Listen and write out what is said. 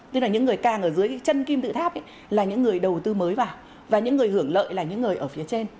tức là những người càng ở dưới cái chân kim tự tháp là những người đầu tư mới vào và những người hưởng lợi là những người ở phía trên